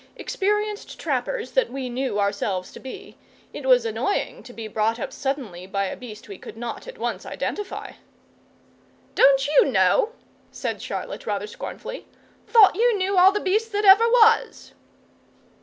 Experienced trappers that we knew ourselves to be, it was annoying to be brought up suddenly by a beast we could not at once identify. "Don't you know?" said Charlotte, rather scornfully. "Thought you knew all the beasts that ever was."